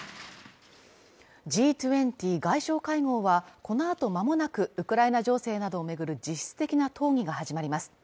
Ｇ２０外相会合はこの後まもなくウクライナ情勢などを巡る実質的な討議が始まります。